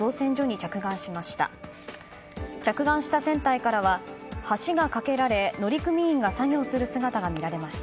着岸した船体からは橋が架けられ乗組員が作業する姿が見られました。